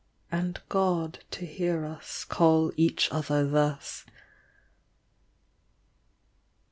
And God to hear us call each other thus.